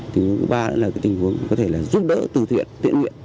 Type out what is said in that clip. thứ ba là tình huống giúp đỡ từ thiện tiện nguyện